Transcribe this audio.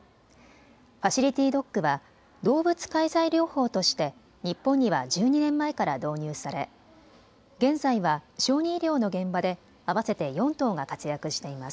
ファシリティドッグは動物介在療法として日本には１２年前から導入され現在は小児医療の現場で合わせて４頭が活躍しています。